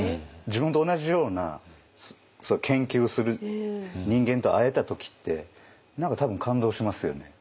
自分と同じような研究をする人間と会えた時って何か多分感動しますよね。